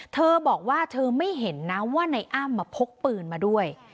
เธอบอกว่าเธอไม่เห็นนะว่าในอ้ำมาพกปืนมาด้วย